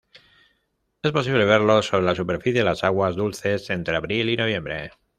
Es posible verlo sobre la superficie de las aguas dulces entre abril y noviembre.